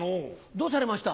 どうされました？